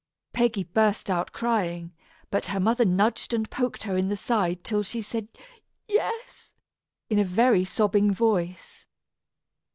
Peggy burst out crying, but her mother nudged and poked her in the side till she said "yes," in a very sobbing voice.